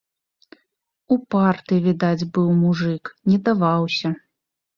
Упарты, відаць, быў мужык, не даваўся.